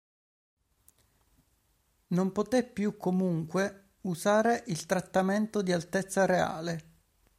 Non poté più, comunque, usare il trattamento di "Altezza Reale".